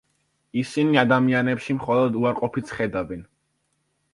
ისინი ადამიანებში მხოლოდ უარყოფითს ხედავენ.